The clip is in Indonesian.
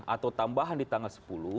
atau tambahan di tanggal sepuluh